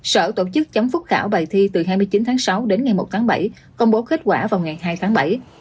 sở tổ chức chấm phúc khảo bài thi từ hai mươi chín tháng sáu đến ngày một tháng bảy công bố kết quả vào ngày hai tháng bảy